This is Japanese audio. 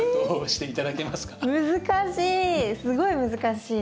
難しい。